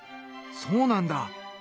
そうなんだ！